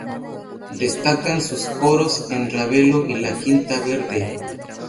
Destacan sus coros en "Ravelo" y "La Quinta verde".